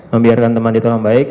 membiarkan teman ditolong baik